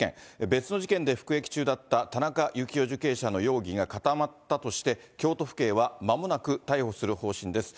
別の事件で服役中だった田中幸雄受刑者の容疑が固まったとして、京都府警はまもなく逮捕する方針です。